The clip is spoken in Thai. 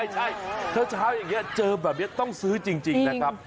ใช่เช้าอย่างนี้เจอแบบนี้ต้องซื้อจริงนะครับ